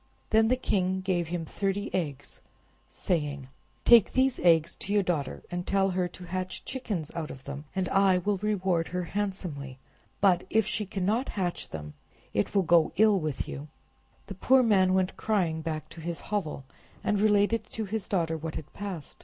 Then the king gave him thirty eggs, saying— "Take these eggs to your daughter, and tell her to hatch chickens out of them, and I will reward her handsomely; but if she cannot hatch them, it will go ill with you." The poor man went crying back to his hovel, and related to his daughter what had passed.